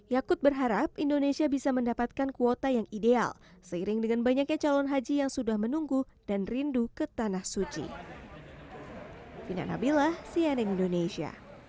yakut berharap indonesia bisa mendapatkan kuota yang ideal seiring dengan banyaknya calon haji yang sudah menunggu dan rindu ke tanah suci